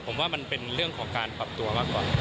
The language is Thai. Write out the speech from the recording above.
ผมว่ามันเป็นเรื่องของการปรับตัวมากกว่า